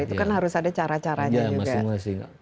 itu kan harus ada cara caranya juga